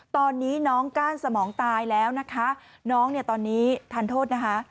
ตอนนี้น้องก้านสมองตายแล้วนะคะน้องเนี่ยตอนนี้ทันโทษนะคะ